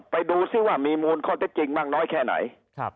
ไปดูซิว่ามีมูลข้อเท็จจริงมากน้อยแค่ไหน